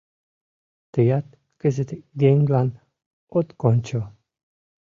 Тыят кызыт еҥлан от кончо.